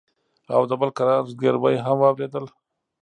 او د بل کرار زگيروي هم واورېدل.